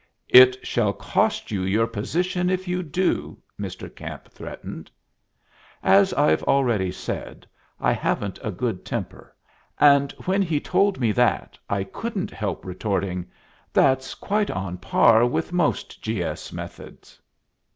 "It shall cost you your position if you do," Mr. Camp threatened. As I've already said, I haven't a good temper, and when he told me that I couldn't help retorting, "That's quite on a par with most G. S. methods."